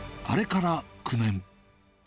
あれから９年。